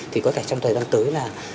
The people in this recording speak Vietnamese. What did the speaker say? thì có thể trong thời gian tới là